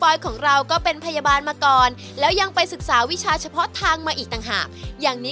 หรือว่าน้องเขาจะเอาน้ำมาทำน้ำให้ลูกค้าเขาก็จะเดินมาหยิบ